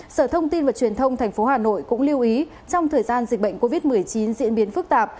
sở thông tin và truyền thông tp hà nội cũng lưu ý trong thời gian dịch bệnh covid một mươi chín diễn biến phức tạp